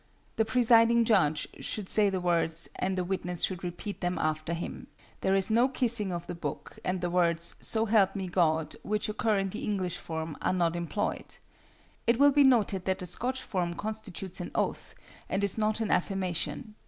The presiding judge should say the words, and the witness should repeat them after him. There is no kissing of the book, and the words 'So help me, God,' which occur in the English form, are not employed. It will be noted that the Scotch form constitutes an oath, and is not an affirmation.